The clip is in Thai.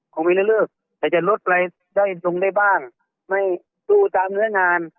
คงไม่เลือกแต่จะลดไปได้ตรงได้บ้างไม่ดูตามเนื้องาน